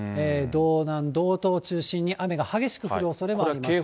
道南、道東中心に雨が激しく降るおそれもあります。